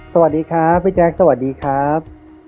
สวัสดีครับพี่แจ๊คสวัสดีครับ